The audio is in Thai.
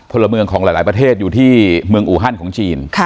พลเมืองของหลายประเทศอยู่ที่เมืองอูฮันของจีน